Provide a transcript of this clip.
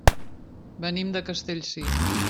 Venim de Castellcir.